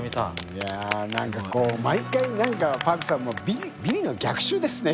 いや何かこう毎回Ｐａｒｋさんも「ビリの逆襲ですね」